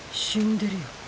死んでるよ。